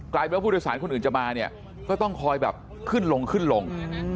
กลายเป็นว่าผู้โดยสารคนอื่นจะมาก็ต้องคอยแบบขึ้นลงขึ้นลง